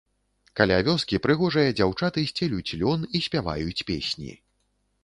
Каля вёскі прыгожыя дзяўчаты сцелюць лён і спяваюць песні.